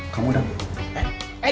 kamu udah ngikutin